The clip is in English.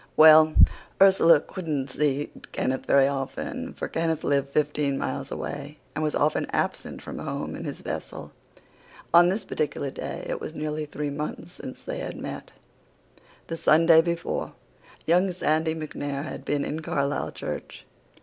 Well, Ursula couldn't see Kenneth very often, for Kenneth lived fifteen miles away and was often absent from home in his vessel. On this particular day it was nearly three months since they had met. "The Sunday before, young Sandy MacNair had been in Carlyle church.